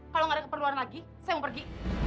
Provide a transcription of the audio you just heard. kalau nggak ada keperluan lagi saya mau pergi